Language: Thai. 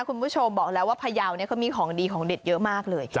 คุณผู้ชมบอกแล้วว่าพยาวเขามีของดีของเด็ดเยอะมากเลย